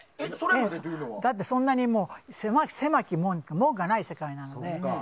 だって、そんなに狭き門というか門がない世界なので。